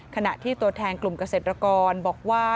ขณะที่ตัวแทนกลุ่มเกษตรกรบอกว่า